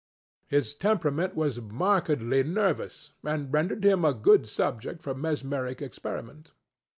His temperament was markedly nervous, and rendered him a good subject for mesmeric experiment.